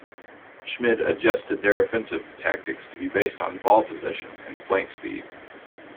Schmid adjusted their offensive tactics to be based on ball possession and flank speed.